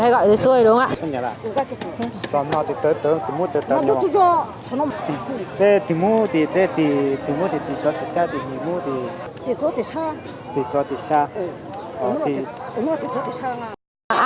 hay gọi dây xuôi đúng không ạ